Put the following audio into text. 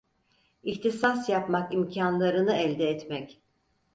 İhtisas yapmak imkânlarını elde etmek…